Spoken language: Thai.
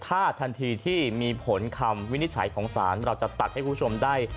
ถ้าทันทีที่มีผลคำวินิจฉัยของศาลเราจะตัดให้คุณผู้ชมได้